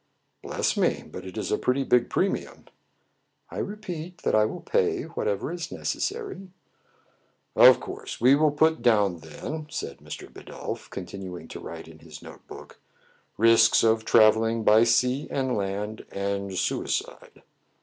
" Bless me ! but \% is a pretty big premium." " I repeat that I will pay whatever is necessary." "Of course we will put down, then," said Mr. Bidulph, continuing to write in his note book, "risks of travelling by sea and land, and suicide."